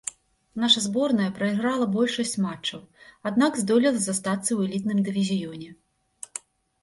Наша зборная прайграла большасць матчаў, аднак здолела застацца ў элітным дывізіёне.